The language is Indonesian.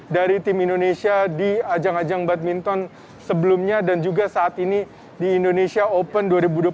dari tim indonesia di ajang ajang badminton sebelumnya dan juga saat ini di indonesia open dua ribu dua puluh tiga